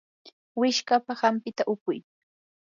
wishqapa hampita upuy.